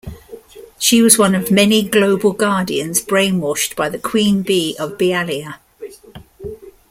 She was one of many Global Guardians brainwashed by the Queen Bee of Bialya.